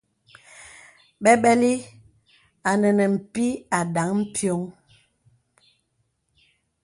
Bɛbɛlì à nə̄ nə̀ pìì à dāŋ piɔŋ.